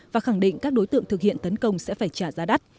và khẳng định các đối tượng thực hiện tấn công sẽ phải trả giá đắt